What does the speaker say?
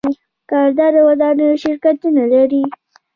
کاناډا د ودانیو شرکتونه لري.